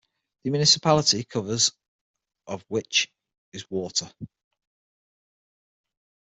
The municipality covers of which is water.